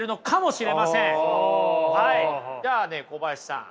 はいじゃあね小林さん。